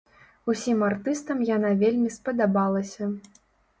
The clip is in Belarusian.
Усім артыстам яна вельмі спадабалася.